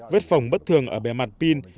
vết phồng bất thường ở bề mặt pin